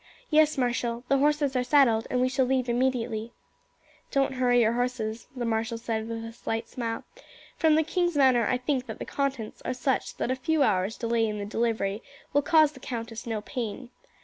"Yes, marshal; the horses are saddled and we shall leave immediately." "Don't hurry your horses," the marshal said with a slight smile; "from the king's manner I think that the contents are such that a few hours' delay in the delivery will cause the countess no pain.